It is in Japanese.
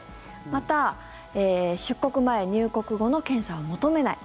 また、出国前・入国後の検査を求めない。